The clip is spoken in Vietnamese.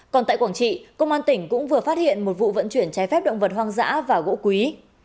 còn tại quảng trị công an tỉnh cũng vừa phát hiện một vụ vận chuyển trái phép động vật hoang dã và gỗ quý